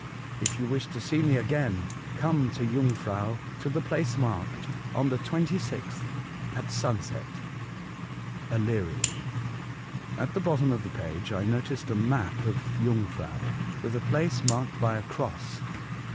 If you wish to see me again, come to Jungfrau, to the place marked, on the 26th, at sunset. Aleriel. At the bottom of the page I noticed a map of Jungfrau with a place marked by a cross.